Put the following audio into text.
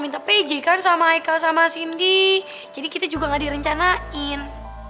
minta pj kan sama eka sama sindi jadi kita juga nggak direncanain